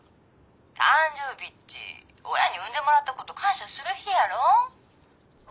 誕生日っち親に生んでもらったこと感謝する日やろ？